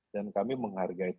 dan kami menghargai